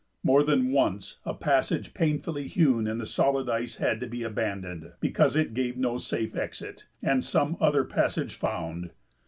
More than once a passage painfully hewn in the solid ice had to be abandoned, because it gave no safe exit, and some other passage found.